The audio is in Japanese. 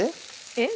「えっ？」